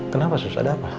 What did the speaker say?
kenapa sus ada apa